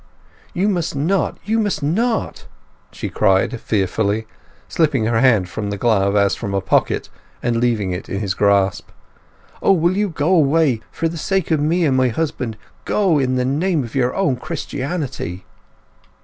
"You must not—you must not!" she cried fearfully, slipping her hand from the glove as from a pocket, and leaving it in his grasp. "O, will you go away—for the sake of me and my husband—go, in the name of your own Christianity!"